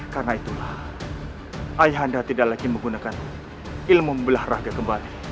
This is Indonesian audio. karena itulah ayah anda tidak lagi menggunakan ilmu membelah raga kembali